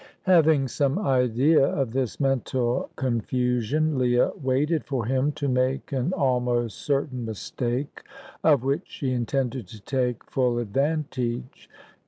Having some idea of this mental confusion, Leah waited for him to make an almost certain mistake, of which she intended to take full advantage.